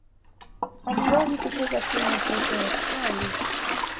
Aliwahi kucheza timu ya taifa ya Chile.